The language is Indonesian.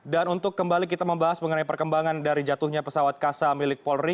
dan untuk kembali kita membahas mengenai perkembangan dari jatuhnya pesawat kasar milik polri